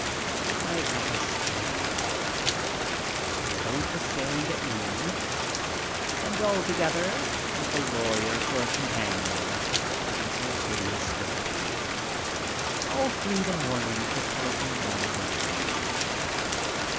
I have a splitting headache. My boat is sailing at noon, and altogether, with a lawyer for a com panion, it is a hideous day. All through the morning the telephone bell is ringing.